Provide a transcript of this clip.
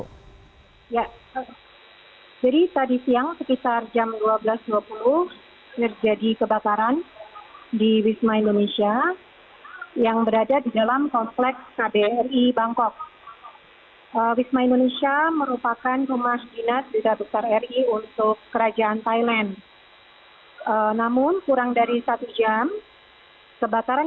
kebakaran berhasil dipadamkan oleh pihak pemadam kebakaran di thailand di bangkok